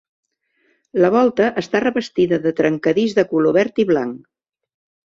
La volta està revestida de trencadís de color verd i blanc.